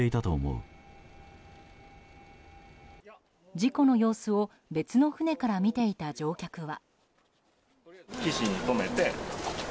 事故の様子を別の船から見ていた乗客は。